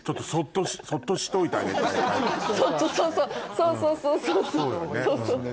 そうそうそうそう。